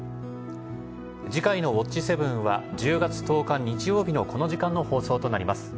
次回の『ウオッチ！７』は１０月１０日日曜日のこの時間の放送となります。